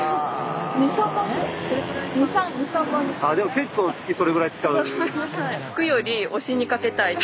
結構月それぐらい使う？